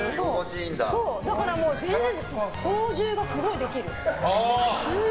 だから操縦がすごいできる。